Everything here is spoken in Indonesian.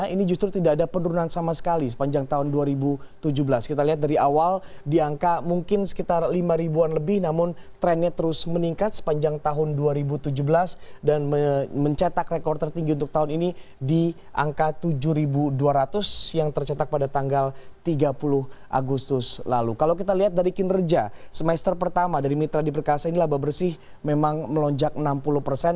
ini adalah induk perusahaan